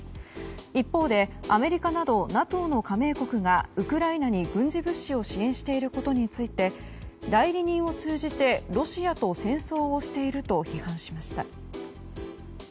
一方でアメリカなどＮＡＴＯの加盟国がウクライナに軍事物資を支援していることについて代理人を通じてロシアと戦争をしていると批判しました。